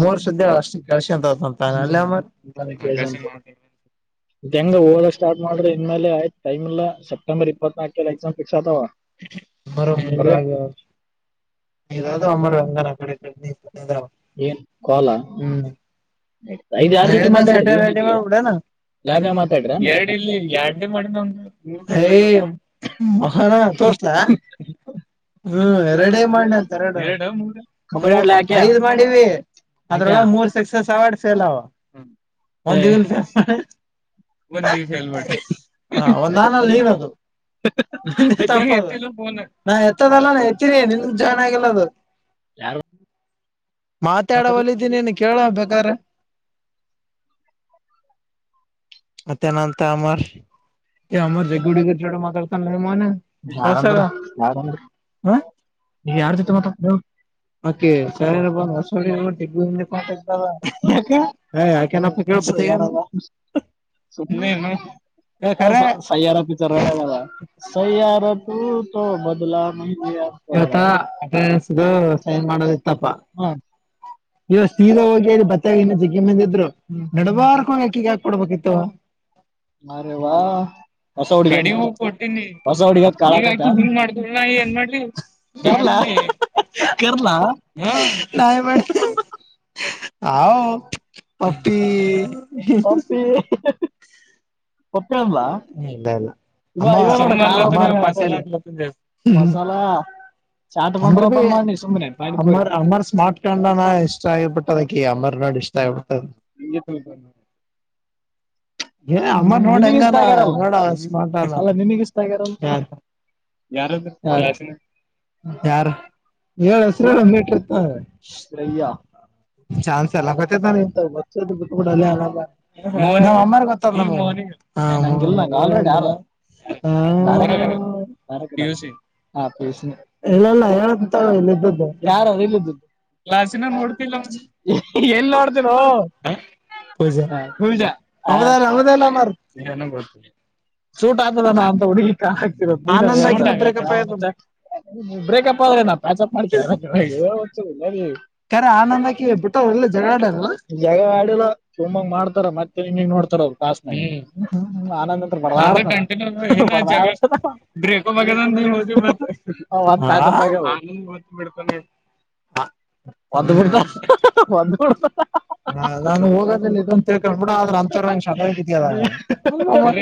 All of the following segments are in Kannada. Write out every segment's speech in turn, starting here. ಮ ಸುದ ಕ ಕೆ [inaudible] ಹೆಂಗ ಹಓದ ಸ್ಟಾರ್ ಮಾಡ್ರ ಇನ್ ಆಯ್ತ್ ಟೈಂ ಇಲ್ಲ ಸೆಪ್ಟೆಂಬರ್ ಇಪ್ಪತ್ನಾಲ್ಕಲ್ಲಿ ಎಕ್ಸಾಮ್ ಫಿಕ್ಸ್ ಆತವ ಬರಬ [inaudible] ನೀರದು ಅಮರು ಎಂಗ ಅಡೆ ಇ [unintelligible] ಹ್ಮ ಸ ಉ [unintelligible] ನಾನೇ [unintelligible] ಮಾತಾಡ ಮೊಹನ ಹ ಎರಡ ಮಾಡ [unintelligible] ಮಾಡಿವಿ ಅದ್ರೊಳಗ ಮೂರ್ ಸಕ್ಸಸ್ ಅವಾರ್ಡ್ ಫೇಲ್ ಅವ ಒಂದಿನ್ಫ ಹ ಒಂದ ನಾನಲ್ಲಿ ಏನದು [unintelligible] ಪ್ಪ ನಾ ಎತ್ತದಲ್ಲ ಎತ್ತೀನಿ ನಿನ್ ಜಾಯ್ನ್ ಆಗಿಲ್ಲದು ಯಾರು ಮಾತಾಡವಲ್ಲಿದ್ದೀನೇನು ಕೇಳ ಬೇಕಾದ್ರೆ. ಮತ್ತೇನ್ ಅಂತ ಅಮ್ಮರ ಜಗಡ ತ ಮ [unintelligible] ಹ ಯಾರ ಜತಿ ಮ ಆಕೆ ಶಸ ಅಕಪ್ಪ [unintelligible] [unintelligible] ಸುಮನೆ ಏನು. ಕಸ ಸ್ಯಾರತಿ ರಣ ಸಯಾರತು ತ ಬದಲ. ಇವತ ಸೈನ್ ಮಾಡದತ್ತಪ್ಪ ಹ್ಮ. ಇವ ಸೀದಾ ಹೋಗಿ ಹೇಳಿ ಬತ್ತಾಗ ಇನ್ನು ಜಗ್ಗಿ ಮಂದ ಇದ್ರು ನಡಬಾರಕ ಹಾಕಗ ಹಾಕ್ಕ ಕೊಡ್ಬೇಕಿತ್ತು. [unintelligible] ಮರೆ ವಾಹ. ಹೊಸ ಹುಗ [unintelligible] ನಾ ಏನ್ ಮಾಡ್ಲಿ. [unintelligible] ಕರದ್ಲಾ. ಹೌ ಪಪ್ಪಿ [inaudible] [unintelligible] ಇಲ್ಲ ಇಲ್ಲ. [unintelligible] ಅಮ್ಮರ್ ಸ್ಮಾರ್ಟ್ ಕನ ಇಷ್ಟ ಆಗಬಟ್ಟ ಅದ. ಅಮರನಾಡಿ ಇಷ್ಟತ. [unintelligible] ಏ ಅಮ್ಮ ನೋಡ ಹೆಂಗ ನೋಡ [unintelligible] ಯಾರ ಹೇಳಸ. [inaudible] ಚಾನ್ಸ್ ಎಲ್ಲ ಗೊತ್ತ ಅಮ್ಮ ಗೊತ್ತ. [unintelligible] ಇಲ್ಲಿಲ್ಲ ಹೇಳ್ತಿನ್ ತಗೋ ಯಾರು [unintelligible] ಎಲ್ಲಿ ನೋಡ್ತರು. ಪೂಜ [inaudible] ಸೂಟ್ ಆತದಾನ ಅಂತ ಹುಡ್ಲಿಕ್ಕೆ ಹಾರ ಬ್ರೇಕಪ್. ನಾ ಪ್ಯಾಕ್ಪ್ ಮಾಡ್ತಿಲ್ಲಿಲ್ಲ. ಆನಂದಕ್ಕೆ ಜ ಜಗ ಆಡಿಲ್ಲ ತುಂಬಾಗ ಮಾಡ್ತಾರ ಮತ್ತೆ ಮಾಡ್ತಾರ ಅವ. [unintelligible] [unintelligible] ಹ [unintelligible] ವದ್ಬುಡ್ತ್ ಹ ನಾನು ಹೋಗದ ತಿಳ್ಕೊಳಿ ಬಿಡ ಆದ್ರ ಅಂತ ನಂಗ್ [unintelligible] ಹಾ ಹಾ ಹಾ.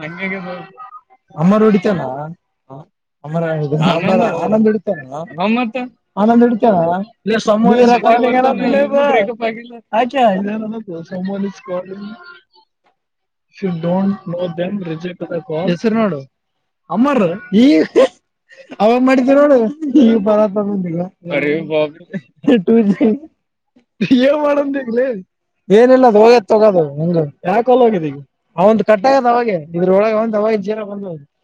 ಹಂಗೆಗೆದೋ. ಅಮ್ಮರು ಹೊಡಿಟಿಯಾಲಾ. ಹಾ [unintelligible] ಆನಂದ್ ಹಿಡಿತಾನಾ ಹ್ಮ್ ಮತ್ತೆ ಆನಂದ್ ಹೊಡಿತನ. [unintelligible] [unintelligible] [inaudible] ಶು don't know them reject the call ಹೆಸರು ನೋಡು. ಅಮ್ಮಾವರದು ಇಗ್ ಹೈ ಅವ ಮಾಡಿದನೋಡು ಇಗ್ [unintelligible] ಹಾ ಹಾ ಏನ್ ಮಾಡಂದಿಗ್ಲೇ ಏನಿಲ್ಲದು ಹೋಗೇತ್ ತಗೋ ಅದು ನಂಗು ಯಾ ಕಾಲ್ ಹೋಗೆದೀಗ್. ಆವಂದ್ ಕಟಾಗೆದ್ ಅವಾಗೆ ಇದ್ರೊಳಗ್ ಒಂದ್ ಹೋಗಿತ್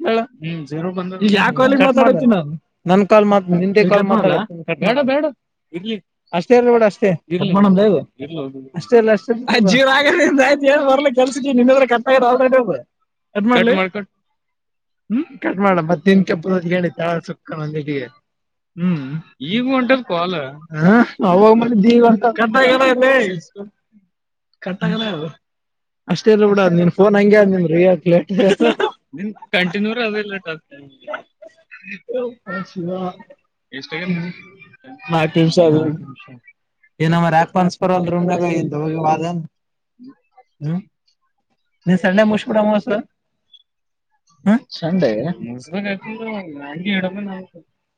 ಹ್ಮ್ಮ್ [unintelligible] ಇಗ್ ಯಾರ್ ಕಾಲ್. ಮಾತಡತಿನ ನನ್ ಮಾಡ್ಟ್ನಿ ನಿಂದೆನ್ ಕಟ್ ಮಾಡ್ಲಾ. ಬೇಡ ಬೇಡ ಇರ್ಲಿ ಅಷ್ಟೇ ಇರ್ಲಿ ಬಿಡ್ ಅಷ್ಟೇ ಇಲ್ರಿ ಕಟ್ ಮಡಂಲೆ ಇದು ಇಲ್ರಿ ಅಷ್ಟೇ ಇಲ್ರಿ ಅಷ್ಟೆ ಅಜಿ ಯಾರು ಬರ್ಲಿ ಕೆಲ್ಸಕ್ಕೆ ನಿದದ್ರಾ ಕಟ್ ಅಗೆದ್ ಆಲ್ರೆಡಿ ಕಟ್ ಮಾಡ್ಲಿ ಹ್ಮ್ ಕಟ್ ಮಾಡ ಮತ್ತನ್ ಕೆಪ್ ಹೇಳಿಾ ಸುಕ್ ಅನಂಗ್ ಆದಿಯ ಹ್ಮ್ಮ್. ಈಗ ಒಂಟಾದ್ ಕಾಲ್ ಹಾ. [unintelligible] ಕಟ್ಟಗದ. ಅಷ್ಟೇ ಇರ್ಲಿ ಬಿಡು ಅದ್ ನೀನ್ ಫೋನ್ ಹಂಗೆ ಆದನ್ ನಿನ್. [unintelligible] ಹಾ. ಎಷ್ಟ್ [unintelligible] ಏನಮ್ಮ ರೆಕ್ಸ್ಪನ್ಸ್ ಬರವಲ್ದು ರೂಮ್ದೇಗ [unintelligible] ಹ್ಮ. ನೀ ಸಂಡೆ ಮುಷ್ಕಡ ಮೋಸ. ಹ ಸಂಡೆ ಮುಸ್ಬೇಕಾಯಿತು ಹ